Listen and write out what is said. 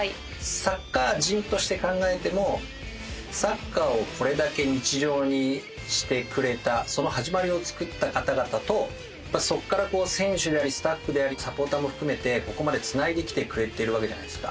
サッカー人として考えてもサッカーをこれだけ日常にしてくれたその始まりを作った方々とそこから選手でありスタッフでありサポーターも含めてここまで繋いできてくれてるわけじゃないですか。